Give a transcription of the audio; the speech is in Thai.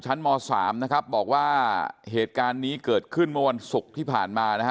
ม๓นะครับบอกว่าเหตุการณ์นี้เกิดขึ้นเมื่อวันศุกร์ที่ผ่านมานะฮะ